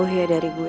lo ngejauh dari gue